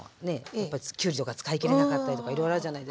やっぱりきゅうりとか使い切れなかったりとかいろいろあるじゃないですか。